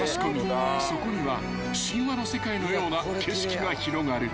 そこには神話の世界のような景色が広がる］